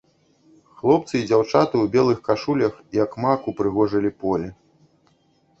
Хлопцы і дзяўчаты ў белых кашулях, як мак, упрыгожылі поле.